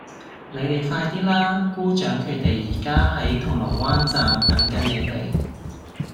你哋快啲啦!姑丈佢哋而家喺銅鑼灣站等緊你哋